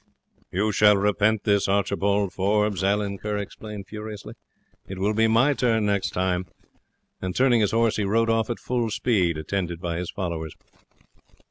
"You shall repent this, Archibald Forbes," Allan Kerr exclaimed furiously. "It will be my turn next time." And turning his horse he rode off at full speed, attended by his followers.